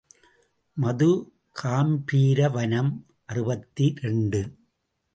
மதுகாம்பீர வனம் அறுபத்திரண்டு.